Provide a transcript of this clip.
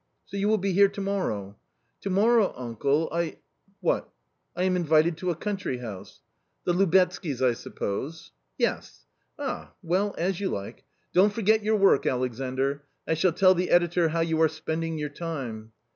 "So you will be here to morrow ?"" To morrow, uncle, I "" What ?"" I am invited to a country house." " The Lubetzkys, I suppose." "Yes!" " Ah ! well, as you like. Don't forget your work, Alexandr; I shall tell the editor how you are spending your time."